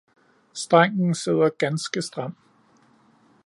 strengen sidder ganske stram!